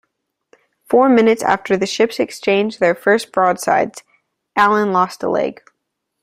Four minutes after the ships exchanged their first broadsides, Allen lost a leg.